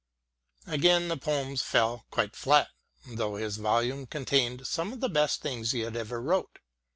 Again the poems fell quite flat, though this volume contained some of the best things he ever wrote.